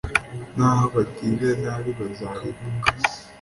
naho abagiranabi bazarimbuka